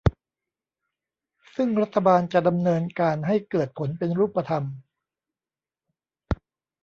ซึ่งรัฐบาลจะดำเนินการให้เกิดผลเป็นรูปธรรม